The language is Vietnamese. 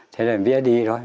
thế là em biết đi thôi